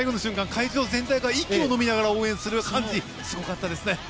会場全体が息をのみながら応援する感じすごかったですね。